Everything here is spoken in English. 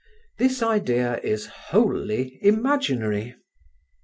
This idea is wholly imaginary.